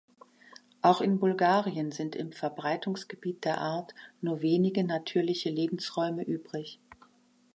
Auch in Bulgarien sind im Verbreitungsgebiet der Art nur wenige natürliche Lebensräume übrig.